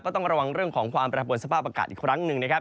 ต้องระวังเรื่องของความประปวนสภาพอากาศอีกครั้งหนึ่งนะครับ